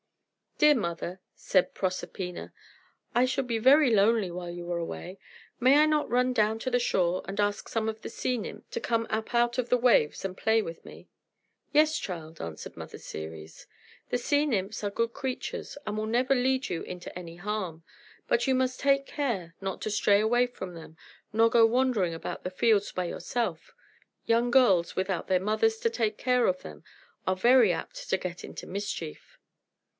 "Dear mother," said Proserpina, "I shall be very lonely while you are away. May I not run down to the shore, and ask some of the sea nymphs to come up out of the waves and play with me?" "Yes, child," answered Mother Ceres. "The sea nymphs are good creatures, and will never lead you into any harm. But you must take care not to stray away from them, nor go wandering about the fields by yourself. Young girls, without their mothers to take care of them, are very apt to get into mischief."